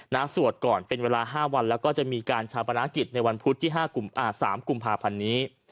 สวดก่อนเป็นเวลา๕วันแล้วก็จะมีการชาปนากิจในวันพุธที่๓กุมภาพันธ์นี้